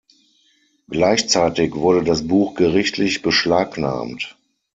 Gleichzeitig wurde das Buch gerichtlich beschlagnahmt.